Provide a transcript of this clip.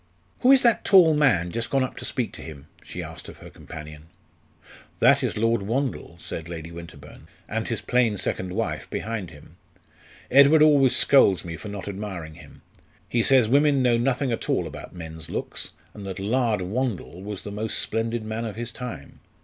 "Who is that tall man just gone up to speak to him?" she asked of her companion. "That is Lord Wandle," said Lady Winterbourne, "and his plain second wife behind him. Edward always scolds me for not admiring him. He says women know nothing at all about men's looks, and that Lard Wandle was the most splendid man of his time.